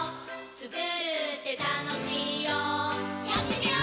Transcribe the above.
つくるってたのしいよやってみよー！